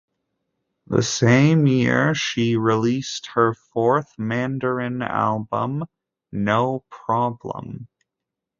That same year, she released her fourth Mandarin album, "No Problem".